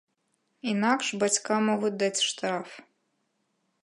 Інакш бацькам могуць даць штраф.